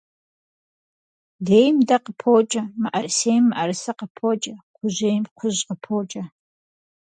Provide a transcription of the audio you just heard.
Дейм дэ къыпокӏэ, мыӏэрысейм мыӏэрысэ къыпокӏэ, кхъужьейм кхъужь къыпокӏэ.